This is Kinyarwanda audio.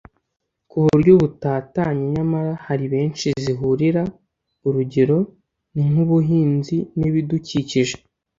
ku buryo butatanye nyamara hari henshi zihurira (urugero ni nk'ubuhinzi n'ibidukikije)